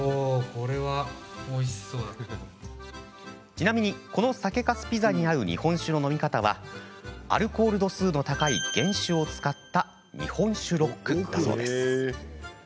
ちなみに、この酒かすピザに合う日本酒の飲み方はアルコール度数の高い原酒を使った日本酒ロックだそうです。